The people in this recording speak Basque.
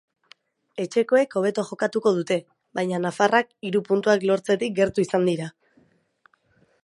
Etxekoek hobeto jokatu dute, baina nafarrak hiru puntuak lortzetik gertu izan dira.